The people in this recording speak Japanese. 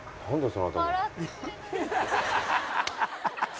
その頭。